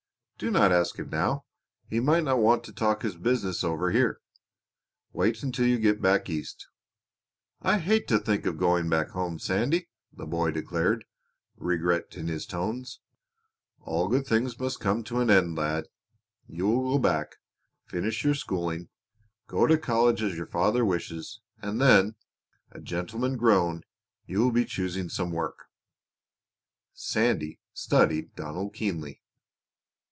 "Do not ask him now. He might not want to talk his business over here. Wait until you get back East." "I hate to think of going back home, Sandy," the boy declared, regret in his tones. "All good things must come to an end, lad. You will go back, finish your schooling, go to college as your father wishes, and then, a gentleman grown, you will be choosing some work." Sandy studied Donald keenly.